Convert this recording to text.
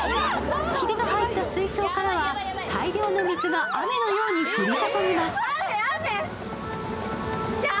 ひびが入った水槽からは大量の水が雨のように降り注ぎます。